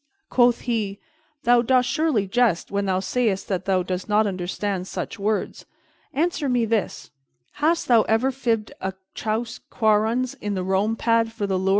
Quoth he, "Thou dost surely jest when thou sayest that thou dost not understand such words. Answer me this: Hast thou ever fibbed a chouse quarrons in the Rome pad for the loure in his bung?"